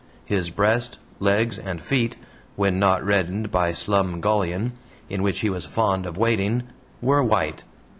His breast, legs, and feet when not reddened by "slumgullion," in which he was fond of wading were white.